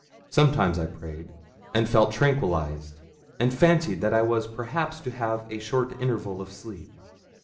Sometimes I prayed, and felt tranquillised, and fancied that I was perhaps to have a short interval of sleep.